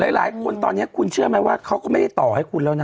หลายคนตอนนี้คุณเชื่อไหมว่าเขาก็ไม่ได้ต่อให้คุณแล้วนะ